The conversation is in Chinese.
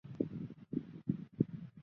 吕加尼昂人口变化图示